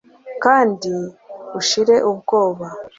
kandi ushire ubwoba